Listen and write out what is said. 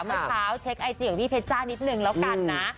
เมื่อเช้าเช็คไอจียังวิเพจานิดหนึ่งแล้วกันนะ